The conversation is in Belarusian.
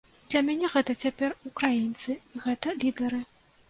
Для мяне гэта цяпер украінцы, гэта лідары.